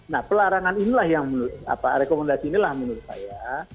nah pelarangan inilah yang menurut rekomendasi inilah menurut saya